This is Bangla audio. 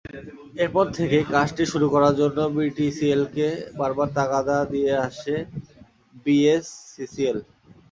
এরপর থেকেই কাজটি শুরু করার জন্য বিটিসিএলকে বারবার তাগাদা দিয়ে আসছে বিএসসিসিএল।